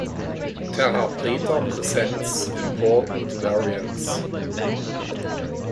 Terra preta presents important variants.